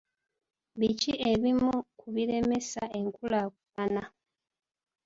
Biki ebimu ku biremesa enkulaakulana?